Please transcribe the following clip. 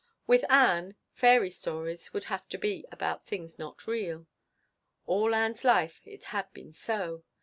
With Ann, fairy stories would have to be about things not real. All Ann's life it had been so.